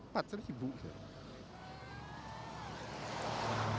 ya ini sudah cukup